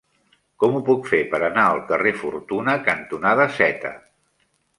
Com ho puc fer per anar al carrer Fortuna cantonada Z?